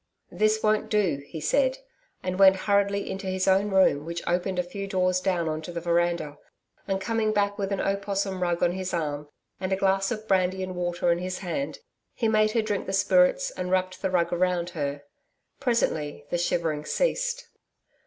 'This won't do,' he said, and went hurriedly into his own room which opened a few doors down on to the veranda, and coming back with an opossum rug on his arm and a glass of brandy and water in his hand, he made her drink the spirits and wrapped the rug round her. Presently the shivering ceased.